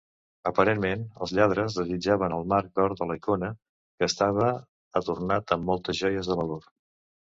Aparentment, els lladres desitjaven el marc d'or de la icona, que estava adornat amb moltes joies de valor.